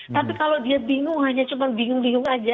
tapi kalau dia bingung hanya cuma bingung bingung aja